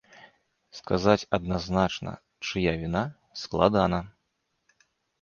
Сказаць адназначна, чыя віна, складана.